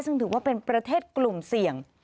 ซึ่งถือว่าเป็นประเทศกลุ่มเสี่ยง